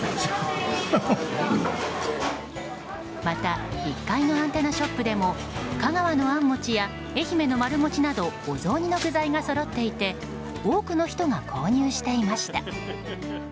また１階のアンテナショップでも香川のあん餅や愛媛の丸餅などお雑煮の具材がそろっていて多くの人が購入していました。